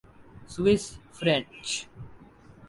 Swiss French